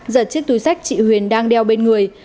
giật chiếc túi sách chị huyền đang đeo bên người